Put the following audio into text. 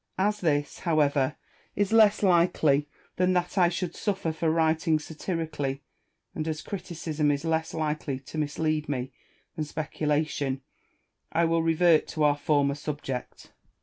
245 this, however, is less likely than that I should suffer for writing satirically, and jas criticism is less likely to mislead me than speculation, I will revert to our former suDJect.